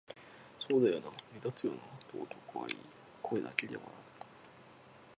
「そうだよな、目立つよな」と男は言い、声だけで笑った